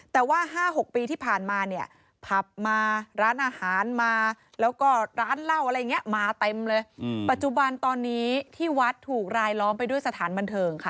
แต่ว่า๕๖ปีที่ผ่านมาเนี่ยผับมาร้านอาหารมาแล้วก็ร้านเหล้าอะไรอย่างนี้มาเต็มเลยปัจจุบันตอนนี้ที่วัดถูกรายล้อมไปด้วยสถานบันเทิงค่ะ